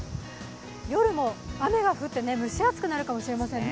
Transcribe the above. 夜も雨が降って蒸し暑くなるかもしれませんね。